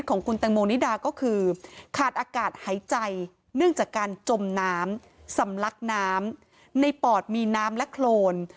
เพื่อปรับการแปลงเพื่อถูกประดุน